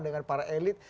dengan para elit